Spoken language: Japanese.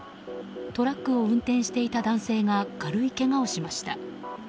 トラックを運転していた男性が軽いけがをしました。